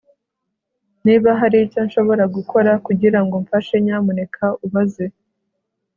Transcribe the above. Niba hari icyo nshobora gukora kugirango mfashe nyamuneka ubaze